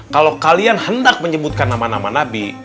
kalau kalian hendak menyebutkan nama nama nabi